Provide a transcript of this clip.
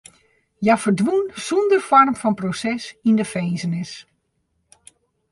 Hja ferdwûn sonder foarm fan proses yn de finzenis.